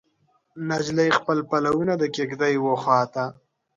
نجلۍ خپل پلونه د کیږدۍ وخواته